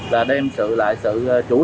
là đem lại sự chủ động tập trung